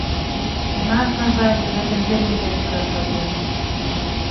У нас, на жаль, з гэтым вельмі вялікая праблема.